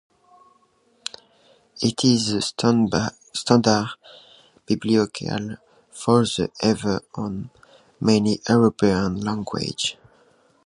It is the standard biblical form of Eve in many European languages.